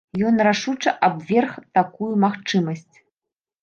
Ён рашуча абверг такую магчымасць.